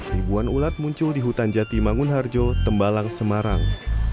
ribuan ulat muncul di hutan jati mangunharjo tembalang semarang